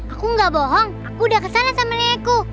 aku gak bohong aku udah kesana sama nenekku